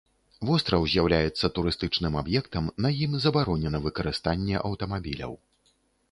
Востраў з'яўляецца турыстычным аб'ектам, на ім забаронена выкарыстанне аўтамабіляў.